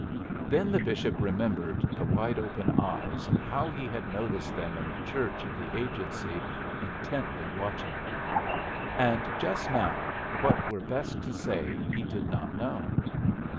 Then the bishop remembered the wide open eyes, and how he had noticed them in the church at the agency intently watching him. And, just now, what were best to say he did not know.